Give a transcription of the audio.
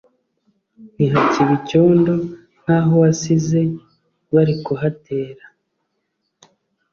ni hakiba icyondo nkaho wasize bari kuhatera